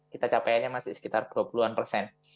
kita capaiannya masih sekitar dua puluh an persen